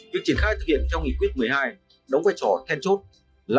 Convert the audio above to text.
việc triển khai thực hiện trong nghị quyết một mươi hai đóng vai trò then chút là